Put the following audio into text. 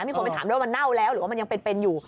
มีคนไปถามด้วยมันเน่าแล้วหรือว่ามันยังเป็นอยู่